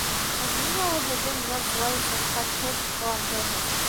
— Ә ниңә ул Һеҙҙең менән шулай шәфҡәтһеҙ ҡыланды һуң?